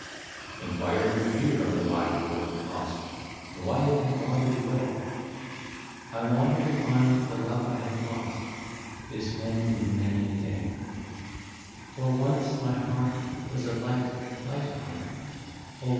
'*" And why are you here on the wide world tost, And why have you wandered away ?"" I wander to find the love I have lost. This many and many a day. 64 For once my heart was a light, light heart, Oh